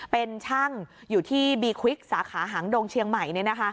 เป็นช่างอยู่ที่บีควิกสาขาหางดงเชียงใหม่